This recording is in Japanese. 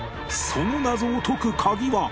その謎を解く鍵は